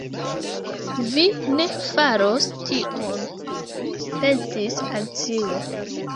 “Vi ne faros tion” pensis Alicio.